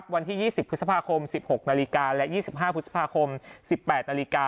วันที่๒๐พฤษภาคม๑๖นและ๒๕พฤษภาคม๑๘น